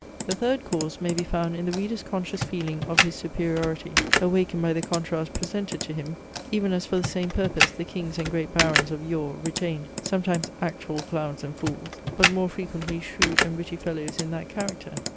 The third cause may be found in the reader's conscious feeling of his superiority awakened by the contrast presented to him; even as for the same purpose the kings and great barons of yore retained, sometimes actual clowns and fools, but more frequently shrewd and witty fellows in that character.